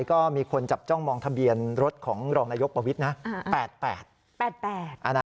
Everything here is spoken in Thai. ก็มีคนจับจ้องมองทะเบียนรถของรองนายกประวิทย์นะ๘๘